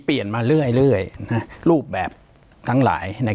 ปากกับภาคภูมิ